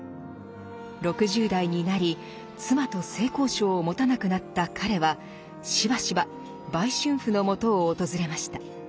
６０代になり妻と性交渉を持たなくなった彼はしばしば売春婦のもとを訪れました。